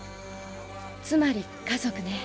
つまり家族ね。